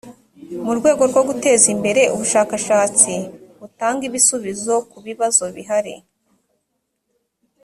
mu rwego rwo guteza imbere ubushakashatsi butanga ibisubizo ku bibazo bihari